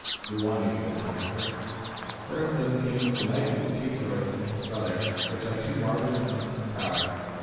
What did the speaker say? Who won you? said King Arthur. Sir, said the king, the Knight with the Two Swords and his brother, which are two marvellous knights of prowess.